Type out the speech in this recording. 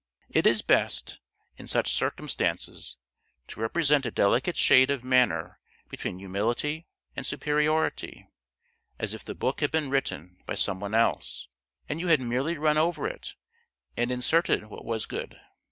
It is best, in such circumstances, to represent a delicate shade of manner between humility and superiority: as if the book had been written by some one else, and you had merely run over it and inserted what was good.